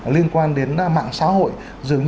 liên quan đến mạng xã hội dường như